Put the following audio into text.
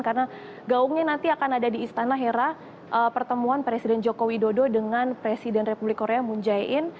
karena gaungnya nanti akan ada di istana hera pertemuan presiden jokowi dodo dengan presiden republik korea munjaiin